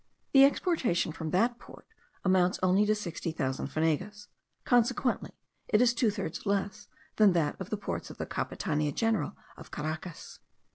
The exportation from that port amounts only to sixty thousand fanegas; consequently it is two thirds less than that of the ports of the Capitania General of Caracas.